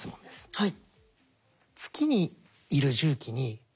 はい。